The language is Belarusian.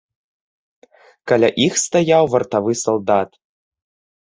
Каля іх стаяў вартавы салдат.